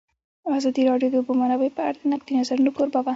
ازادي راډیو د د اوبو منابع په اړه د نقدي نظرونو کوربه وه.